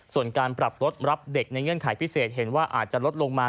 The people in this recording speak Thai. ส่วนการปรับลดรับเด็กในเงื่อนไขพิเศษเห็นว่าอาจจะลดลงมา